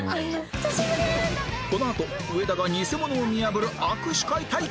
このあと上田がニセモノを見破る握手会体験！